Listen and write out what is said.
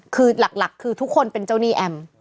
คือหลักคือทุกคนเป็นเจ้าหนี้แอม